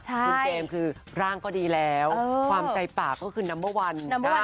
คุณเจมส์คือร่างก็ดีแล้วความใจปากก็คือนัมเบอร์วัน